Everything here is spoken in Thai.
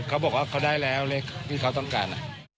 เขาบอกว่าเขาได้แล้วเลขที่เขาต้องการ